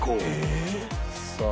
さあ